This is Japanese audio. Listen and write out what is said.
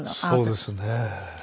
そうですね。